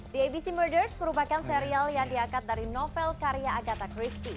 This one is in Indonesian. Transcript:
the abc murders merupakan serial yang diakat dari novel karya agatha christie